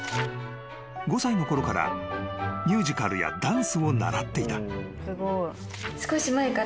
［５歳のころからミュージカルやダンスを習っていた］